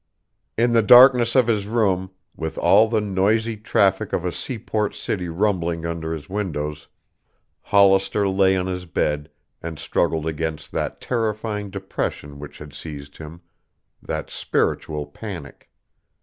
In the darkness of his room, with all the noisy traffic of a seaport city rumbling under his windows, Hollister lay on his bed and struggled against that terrifying depression which had seized him, that spiritual panic.